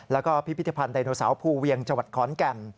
แล้วก็พิพิธีพันธ์ไดโนเสาภูเวียงจขอนแก่น